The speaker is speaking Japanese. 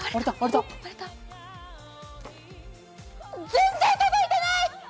全然届いてない！